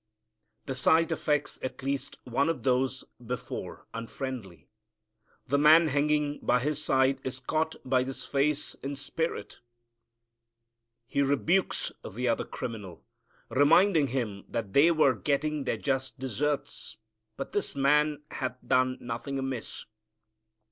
The sight affects at least one of those before unfriendly. The man hanging by His side is caught by this face and spirit. He rebukes the other criminal, reminding him that they were getting their just deserts, but "This Man hath done nothing amiss."